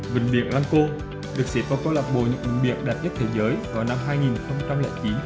huynh biển lăng cô được xếp vào cơ lập bộ những huyện biển đẹp nhất thế giới vào năm hai nghìn chín